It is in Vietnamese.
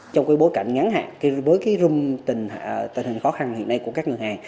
trong cái bối cảnh ngắn hạn với cái rung tình hình khó khăn hiện nay của các ngân hàng